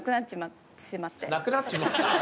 「なくなっちまった」？